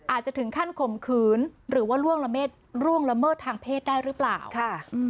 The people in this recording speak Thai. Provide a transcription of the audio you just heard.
อาจจะถึงขั้นขมขืนหรือว่าร่วงระเมิดทางเพศได้รึเปล่าค่ะ